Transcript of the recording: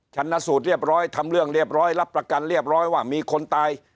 ชนะสูตรเรียบร้อยทำเรื่องเรียบร้อยรับประกันเรียบร้อยว่ามีคนตาย